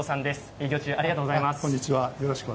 営業中ありがとうございます。